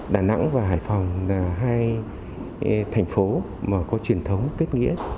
đà nẵng và hải phòng là hai thành phố có truyền thống kết nghĩa